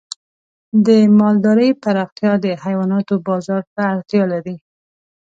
د مالدارۍ پراختیا د حیواناتو بازار ته اړتیا لري.